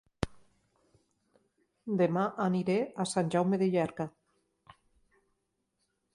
Dema aniré a Sant Jaume de Llierca